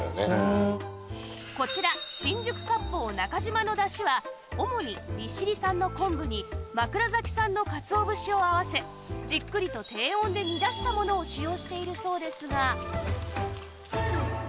こちら新宿割烹中嶋のだしは主に利尻産の昆布に枕崎産の鰹節を合わせじっくりと低温で煮出したものを使用しているそうですが